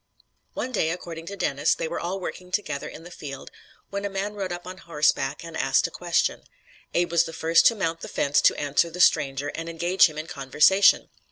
One day, according to Dennis, they were all working together in the field, when a man rode up on horseback and asked a question. Abe was the first to mount the fence to answer the stranger and engage him in conversation.